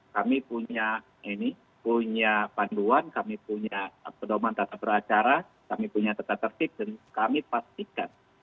kami punya ini punya panduan kami punya pedoman tata beracara kami punya tata tertib dan kami pastikan